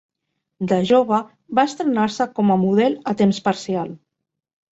De jove, va estrenar-se com a model a temps parcial.